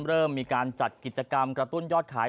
เริ่มมีการจัดกิจกรรมกระตุ้นยอดขาย